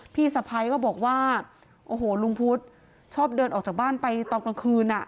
พี่สะพ้ายก็บอกว่าโอ้โหลุงพุทธชอบเดินออกจากบ้านไปตอนกลางคืนอ่ะ